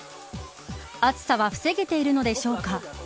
暑さは防げているのでしょうか。